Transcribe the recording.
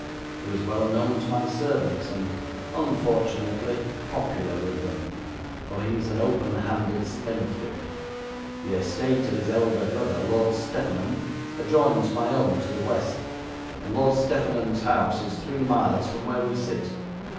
He was well known to my servants, and, unfortunately, popular with them, for he is an openhanded spendthrift. The estate of his elder brother, Lord Steffenham, adjoins my own to the west, and Lord Steffenham's house is three miles from where we sit.